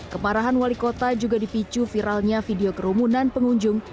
kemarahan wali kota juga dipicu viralnya video kerumunan pengunjung